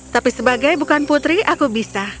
tapi sebagai bukan putri aku bisa